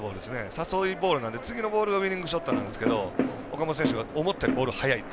誘いボールなんで次のボールがウイニングショットなんですけど岡本選手が思ったよりボールが速いと。